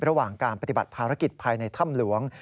ระหว่างการปฏิบัติภารกิจภายในถ้ำหลวง